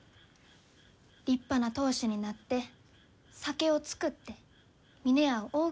立派な当主になって酒を造って峰屋を大きゅうして。